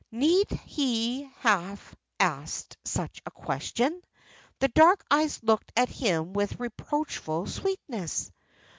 Need he have asked such a question? The dark eyes looked at him with reproachful sweetness.